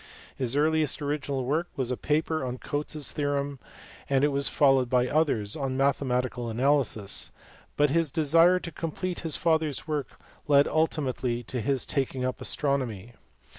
His earliest original work was a paper on Cotes s theorem, and it was followed by others on mathematical analysis, but his desire to complete his father s work led ulti mately to his taking up astronomy.